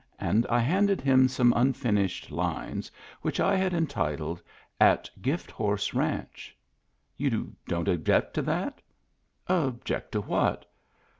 And I handed him some unfinished lines, which I had entitled " At Gift Horse Ranch." " You don't object to that?" "Object to what?"